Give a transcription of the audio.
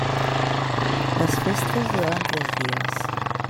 Les festes duraven tres dies.